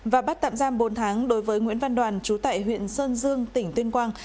và bắt tạm giam bốn tháng đối với nguyễn văn đoàn chú tại huyện sơn dương tỉnh tuyên quang